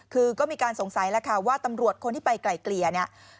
คือก็มีการสงสัยแล้วค่ะว่าตำรวจคนที่ไปไกลเกลี่ยเนี่ย